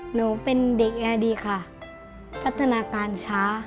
หนูเป็นเด็กแอร์ดีค่ะพัฒนาการช้า